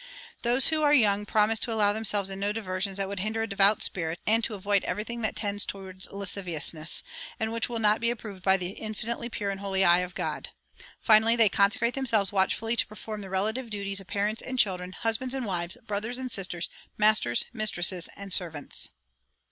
Those who are young promise to allow themselves in no diversions that would hinder a devout spirit, and to avoid everything that tends to lasciviousness, and which will not be approved by the infinitely pure and holy eye of God. Finally, they consecrate themselves watchfully to perform the relative duties of parents and children, husbands and wives, brothers and sisters, masters, mistresses, and servants.